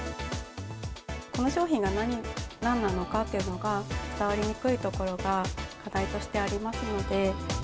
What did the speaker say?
この商品がなんなのかっていうのが伝わりにくいところが課題としてありますので。